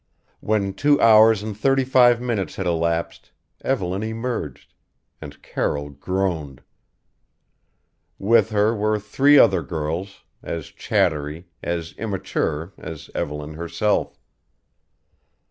When two hours and thirty five minutes had elapsed Evelyn emerged and Carroll groaned. With her were three other girls, as chattery, as immature, as Evelyn herself.